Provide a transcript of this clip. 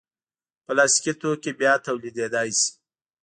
پلاستيکي توکي بیا تولیدېدای شي.